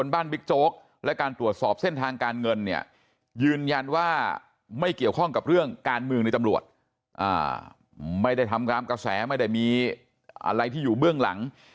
ไม่ได้ทำการกระแสไม่ได้มีอะไรที่อยู่เบื้องหลัง